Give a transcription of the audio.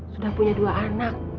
sudah punya dua anak